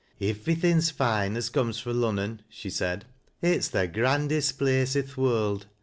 " Ivvery thing's fine as comes fro' Lunuon," she said " It's the grandest place i' th' world.